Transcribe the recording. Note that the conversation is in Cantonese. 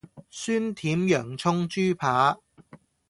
酸甜洋蔥豬排